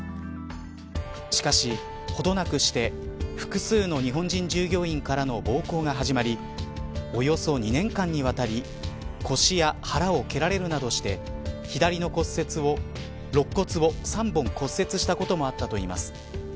しかし、ほどなくして複数の日本人従業員からの暴行が始まりおよそ２年間にわたり腰や腹を蹴られるなどして左の肋骨を３本骨折したこともあったといいます。